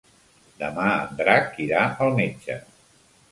Demà en Drac irà al metge.